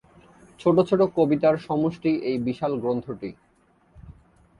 ছোট ছোট কবিতার সমষ্টি এই বিশাল গ্রন্থটি।